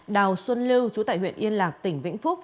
đào xuân lưu trú tại huyện yên lạc tỉnh vĩnh phúc